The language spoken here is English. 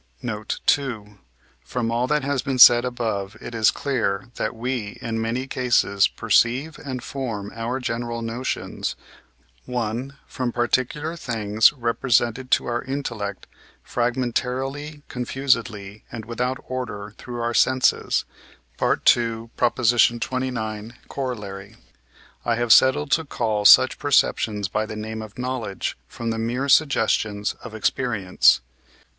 Note II. From all that has been said above it is clear, that we, in many cases, perceive and form our general notions: (1.) From particular things represented to our intellect fragmentarily, confusedly, and without order through our senses (II. xxix. Coroll.); I have settled to call such perceptions by the name of knowledge from the mere suggestions of experience.